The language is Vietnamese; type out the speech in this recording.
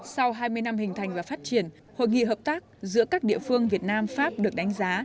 sau hai mươi năm hình thành và phát triển hội nghị hợp tác giữa các địa phương việt nam pháp được đánh giá